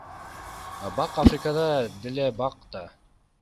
Бак Африкада деле бак да.